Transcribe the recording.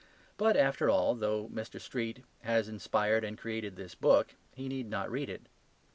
But after all, though Mr. Street has inspired and created this book, he need not read it.